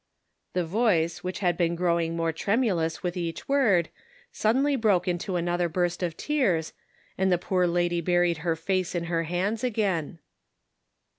The voice, which had been growing more tremulous with each word, suddenly broke into another burst of tears, and the poor lady buried her face in her hands again.